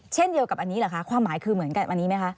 เช่นเดียวกับอันนี้เหรอคะความหมายคือเหมือนกันอันนี้ไหมคะ